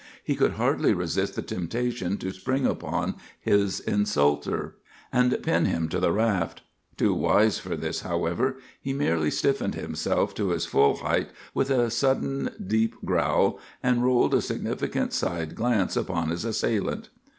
He could hardly resist the temptation to spring upon his insulter, and pin him to the raft. Too wise for this, however, he merely stiffened himself to his full height with a sudden, deep growl, and rolled a significant side glance upon his assailant.